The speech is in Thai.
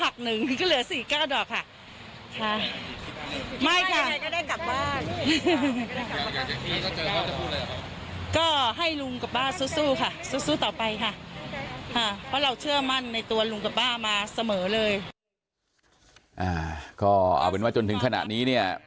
ก็เอาเป็นว่าจนถึงขณะนี้เนี่ย